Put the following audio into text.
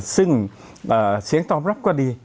ซึ่งเสียงตอบรับก็ดี